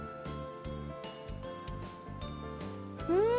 うん！